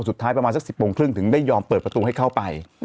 สุดท้ายประมาณสัก๑๐โมงครึ่งถึงได้ยอมเปิดประตูให้เข้าไป